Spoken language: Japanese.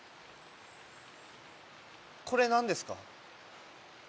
これ何ですか？